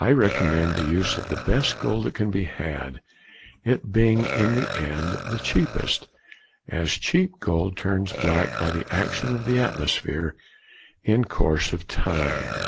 I recommend the use of the best gold that can be had; it being in the end the cheapest, as cheap gold turns black by the action of the atmosphere in course of time.